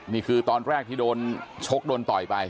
นี่คือตอนแรกที่โดนชกโดนต่อยไป